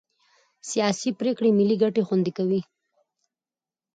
سیاسي پرېکړې ملي ګټې خوندي کوي